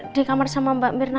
di kamar sama mbak mirna